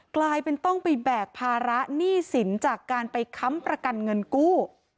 กลายเป็นต้องไปแบกภาระหนี้สินจากการไปค้ำประกันเงินกู้